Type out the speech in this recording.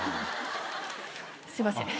すいません。